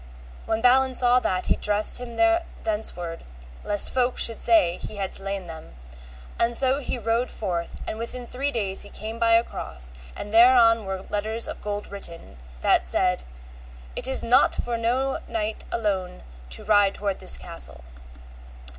When Balin saw that, he dressed him thenceward, lest folk would say he had slain them; and so he rode forth, and within three days he came by a cross, and thereon were letters of gold written, that said, It is not for no knight alone to ride toward this castle.